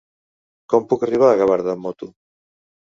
Com puc arribar a Gavarda amb moto?